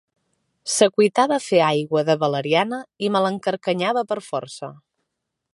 S'acuitava a fer aigua de valeriana i me l'encarcanyava per força.